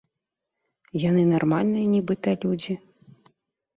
Яны нармальныя нібыта людзі.